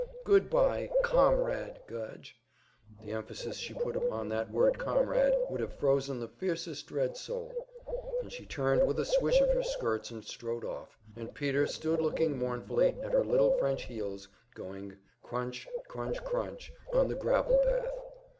"Goodbye, Comrade Gudge!" The emphasis she put upon that word "comrade" would have frozen the fieriest Red soul; and she turned with a swish of her skirts and strode off, and Peter stood looking mournfully at her little French heels going crunch, crunch, crunch on the gravel path.